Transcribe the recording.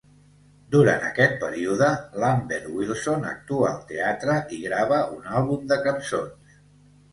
Durant aquest període, Lambert Wilson actua al teatre, i grava un àlbum de cançons.